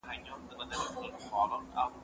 زه مخکي سړو ته خواړه ورکړي وو،